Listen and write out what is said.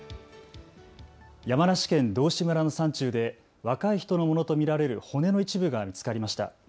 山梨県道志村の山中で若い人のものと見られる骨の一部が見つかりました。